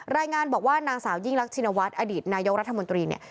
รายงานบอกว่านางสาวยิ่งรักชินวัฒน์อดีตนายกรัฐมนตรีเนี่ย